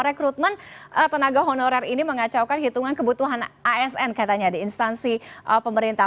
rekrutmen tenaga honorer ini mengacaukan hitungan kebutuhan asn katanya di instansi pemerintah